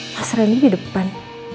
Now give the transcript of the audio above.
mas ranggit di depan